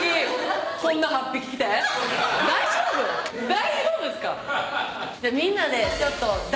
大丈夫っすか？